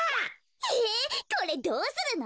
へえこれどうするの？